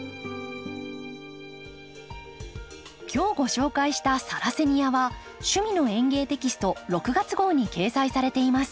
今日ご紹介した「サラセニア」は「趣味の園芸」テキスト６月号に掲載されています。